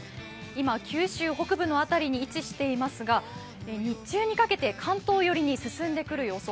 今、九州北部の辺りに位置していますが日中にかけて関東寄りに進んでくる予想。